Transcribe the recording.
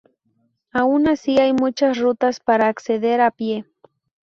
Aun así hay muchas rutas para acceder a pie.